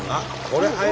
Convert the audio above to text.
これ。